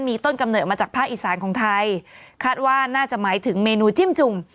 มีต้นกำเนิดมาจากภาคอีสานของไทยคาดว่าน่าจะหมายถึงเมนูจิ้มจุ่ม